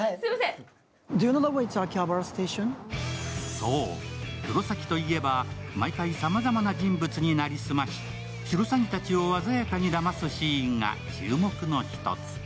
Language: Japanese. そう、黒崎といえば毎回さまざまな人物に成り済まし、シロサギたちを鮮やかにだますシーンが注目の１つ。